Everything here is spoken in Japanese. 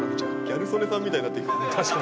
ギャル曽根さんみたいになってる。